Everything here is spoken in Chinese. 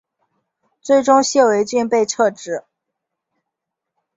最终谢维俊被撤职。